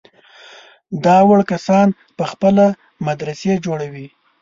دا وړ کسان په خپله مدرسې جوړوي.